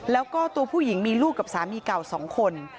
แล้วก็ตัวผู้หญิงมีลูกกับสามีเก่า๒คน